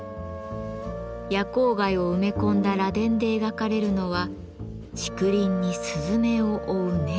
夜光貝を埋め込んだ螺鈿で描かれるのは「竹林に雀を追う猫」。